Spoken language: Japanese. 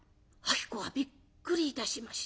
子はびっくりいたしました。